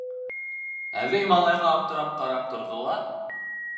Әбей малайға аптырап ҡарап торҙо ла: